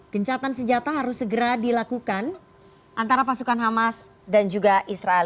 gencatan senjata harus segera dilakukan antara pasukan hamas dan juga israel